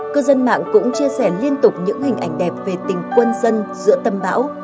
cư dân mạng cũng chia sẻ liên tục những hình ảnh đẹp về tình quân dân giữa tâm bão